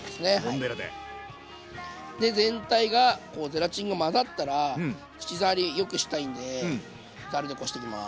全体がゼラチンが混ざったら口触りよくしたいんでざるでこしていきます。